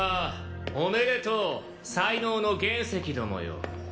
おめでとう才能の原石どもよ。